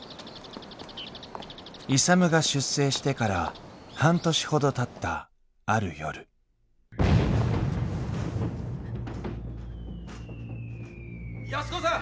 勇が出征してから半年ほどたったある夜・・・安子さん！